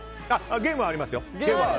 ゲームはありますよ。